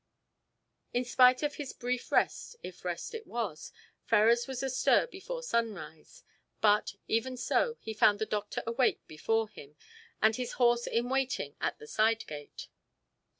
In spite of his brief rest, if rest it was, Ferrars was astir before sunrise: but, even so, he found the doctor awake before him, and his horse in waiting at the side gate.